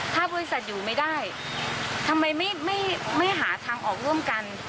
ถ้าบริษัทอยู่ไม่ได้ทำไมไม่หาทางออกร่วมกัน